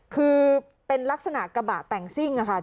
คือเป็นลักษณะกระบะแต่งซิ่งค่ะ